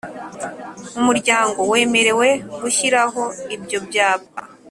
umuryango wemerewe gushyiraho ibyo byapa